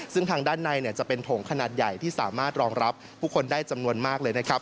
ซึ่งทางด้านในจะเป็นโถงขนาดใหญ่ที่สามารถรองรับผู้คนได้จำนวนมากเลยนะครับ